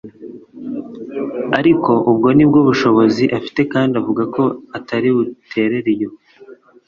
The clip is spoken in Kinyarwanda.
ariko ubwo ni bwo bushobozi afite kandi avuga ko atari buterere iyo